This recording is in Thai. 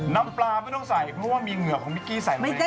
น้ำปลาไม่ต้องใส่เพราะว่ามีเหงื่อของมิกกี้ใส่มาเอง